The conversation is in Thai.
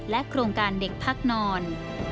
โครงการเด็กพักนอน